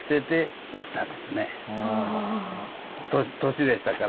年でしたから。